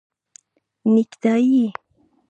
👔 نیکټایې